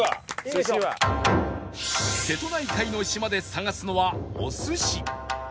瀬戸内海の島で探すのはお寿司